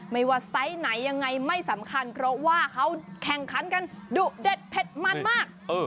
ไม่ว่าไซส์ไหนยังไงไม่สำคัญเพราะว่าเขาแข่งขันกันดุเด็ดเผ็ดมันมาก